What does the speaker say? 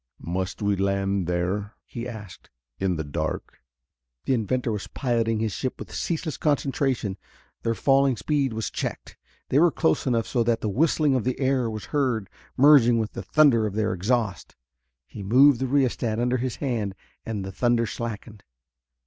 "Must we land there?" he asked. "In the dark?" The inventor was piloting his ship with ceaseless concentration. Their falling speed was checked; they were close enough so that the whistling of air was heard merging with the thunder of their exhaust. He moved the rheostat under his hand, and the thunder slackened.